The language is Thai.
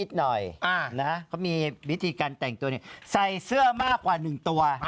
ทำไมเบิ๊ดเมาหน้อง